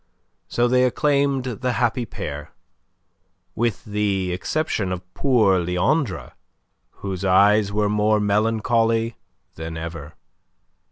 So they acclaimed the happy pair, with the exception of poor Leandre, whose eyes were more melancholy than ever.